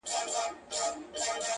ژوند سرینده نه ده- چي بیا یې وږغوم-